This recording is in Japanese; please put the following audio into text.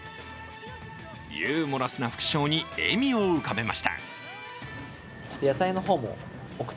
ユーモラスな副賞に笑みを浮かべました。